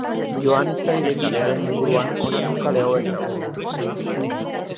Joan Etxaide kalearen inguruan honako kale hauek daude.